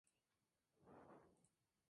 Un nuevo registro que se promete.